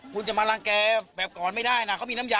คุณจะมาร้างแก่แบบก่อนไม่ได้นะ